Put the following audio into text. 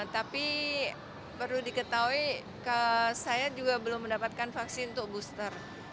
tapi perlu diketahui saya juga belum mendapatkan vaksin untuk booster